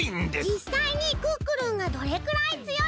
じっさいにクックルンがどれくらいつよいのか